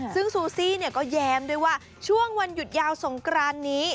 ซึ่งซูซี่ก็แย้มด้วยว่าช่วงวันหยุดยาวสงกรานนี้